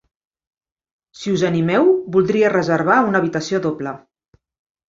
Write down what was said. Si us animeu, voldria reservar una habitació doble.